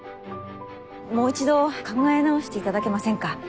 もう一度考え直して頂けませんか？